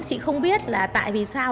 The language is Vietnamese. chị không biết là tại vì sao